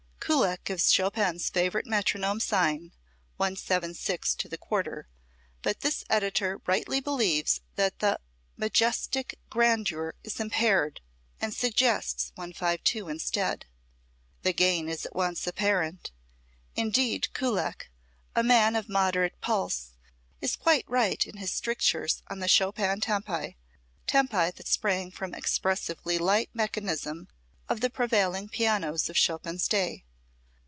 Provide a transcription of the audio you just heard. Kullak gives Chopin's favorite metronome sign, 176 to the quarter, but this editor rightly believes that "the majestic grandeur is impaired," and suggests 152 instead. The gain is at once apparent. Indeed Kullak, a man of moderate pulse, is quite right in his strictures on the Chopin tempi, tempi that sprang from the expressively light mechanism of the prevailing pianos of Chopin's day.